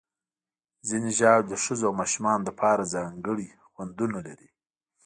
ځینې ژاولې د ښځو او ماشومانو لپاره ځانګړي خوندونه لري.